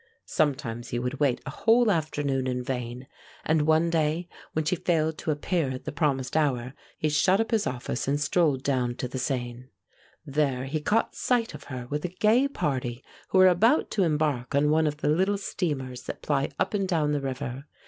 Sometimes he would wait a whole afternoon in vain, and one day when she failed to appear at the promised hour he shut up his office and strolled down to the Seine. There he caught sight of her with a gay party who were about to embark on one of the little steamers that ply up and down the river.